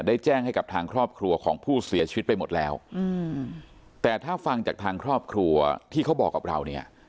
แจ้งให้กับทางครอบครัวของผู้เสียชีวิตไปหมดแล้วอืมแต่ถ้าฟังจากทางครอบครัวที่เขาบอกกับเราเนี่ย